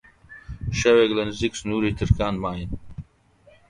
شەوێک لە نزیک سنووری ترکان ماین